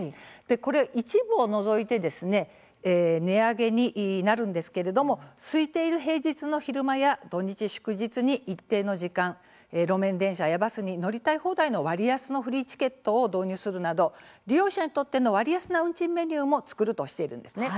これ、一部を除いて値上げになるんですけれどもすいている平日の昼間や土日祝日に一定の時間路面電車やバスに乗りたい放題の割安のフリーチケットを導入するなど利用者にとっての割安な運賃メニューも作るとしているんです。